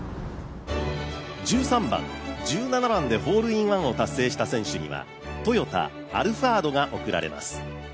１３番、１７番でホールインワンを達成した選手にはトヨタ、アルファードが贈られます。